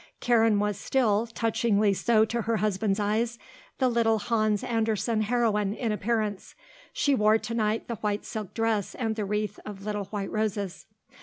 Karen was still, touchingly so to her husband's eyes, the little Hans Andersen heroine in appearance. She wore to night the white silk dress and the wreath of little white roses.